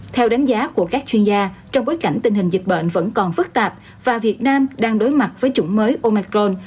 theo đánh giá của các chuyên gia trong bối cảnh tình hình dịch bệnh vẫn còn phức tạp và việt nam đang đối mặt với chủng mới omicron